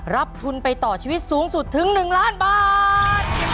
รับทุนไปต่อชีวิตสูงสุดถึง๑ล้านบาท